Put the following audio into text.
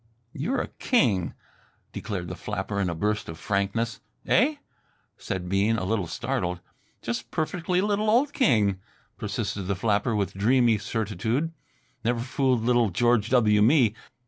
"You're a king," declared the flapper in a burst of frankness. "Eh?" said Bean, a little startled. "Just a perfectly little old king," persisted the flapper with dreamy certitude. "Never fooled little George W. Me.